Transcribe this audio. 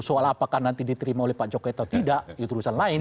soal apakah nanti diterima oleh pak jokowi atau tidak itu urusan lain